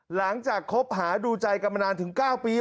หลังจากคบหาดูใจกันมานานถึง๙ปี